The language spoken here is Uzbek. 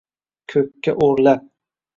Ko’kka o’rlab.